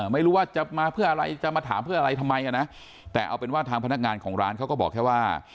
ไม่รู้ว่าจะมาเพื่ออะไรจะมาถามเพื่ออะไรทำไมอ่ะนะแต่เอาเป็นว่าทางพนักงานของร้านเขาก็บอกแค่ว่า